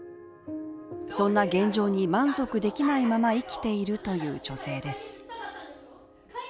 そんな現状に満足できないまま生きているという女性です。